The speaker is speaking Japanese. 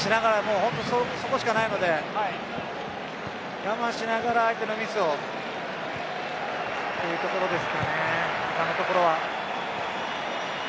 本当、そこしかないので我慢しながら相手のミスをというところですかね、今のところ。